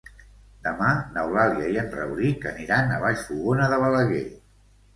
Demà n'Eulàlia i en Rauric aniran a Vallfogona de Balaguer.